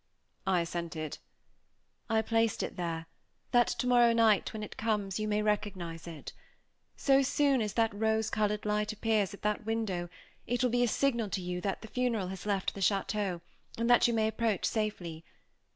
I assented. "I placed it there, that, tomorrow night, when it comes, you may recognize it. So soon as that rose colored light appears at that window, it will be a signal to you that the funeral has left the château, and that you may approach safely.